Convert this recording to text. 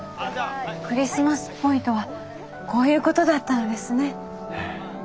クリスマスっぽいとはこういうことだったのですね。